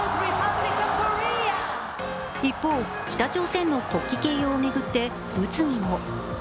一方、北朝鮮の国旗掲揚を巡って物議も。